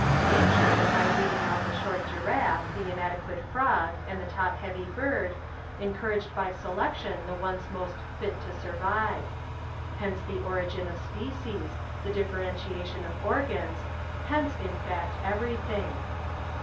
"Nature" by weeding out the short giraffe, the inadequate frog, and the Essays and Literary Studies top heavy bird encouraged by selection the ones most "fit to survive." Hence the origin of species, the differentiation of organs — hence, in fact, everything.